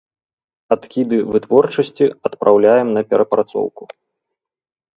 Адкіды вытворчасці адпраўляем на перапрацоўку.